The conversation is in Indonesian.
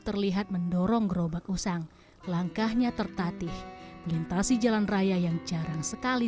terlihat mendorong gerobak usang langkahnya tertatih melintasi jalan raya yang jarang sekali